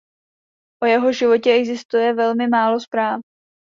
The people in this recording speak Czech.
O jeho životě existuje velmi málo zpráv.